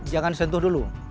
jangan sentuh dulu